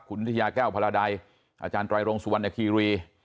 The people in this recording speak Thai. คุณวิทยาแก้วพลาดัยอาจารย์ไตรรงสุวรรณคีรี